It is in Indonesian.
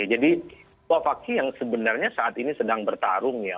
jadi pak fakih yang sebenarnya saat ini sedang bertarung ya